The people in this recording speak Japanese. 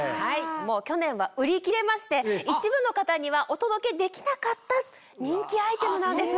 去年は売り切れまして一部の方にはお届けできなかった人気アイテムなんです。